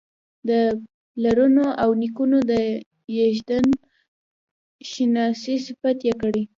د پلرونو او نیکونو د یزدان شناسۍ صفت یې کړی.